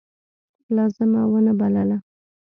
لازمه ونه بلله.